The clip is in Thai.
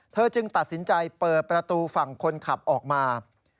จึงตัดสินใจเปิดประตูฝั่งคนขับออกมา